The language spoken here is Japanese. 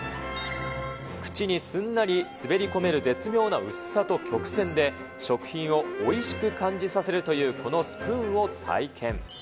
口にすんなり滑り込める絶妙な薄さと曲線で、食品をおいしく感じさせるというこのスプーンを体験。